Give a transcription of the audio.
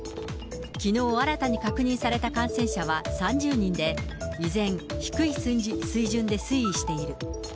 きのう新たに確認された感染者は３０人で、依然、低い水準で推移している。